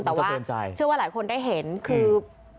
แต่ว่าเชื่อว่าหลายคนได้เห็นคือ